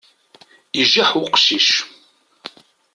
Ijaḥ uqcic.